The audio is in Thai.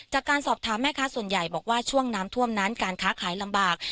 จากการสอบถามแม่ค้าส่วนใหญ่บอกว่าช่วงน้ำท่วมนั้นการค้าขายลำบาก